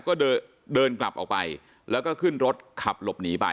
ก็เดินกลับออกไปแล้วก็ขึ้นรถขับหลบหนีไป